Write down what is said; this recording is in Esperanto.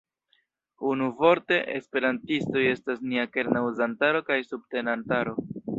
Unuvorte, esperantistoj estas nia kerna uzantaro kaj subtenantaro.